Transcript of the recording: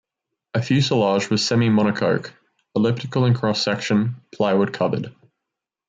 A fuselage was semi-monocoque, elliptical in cross-section, plywood-covered.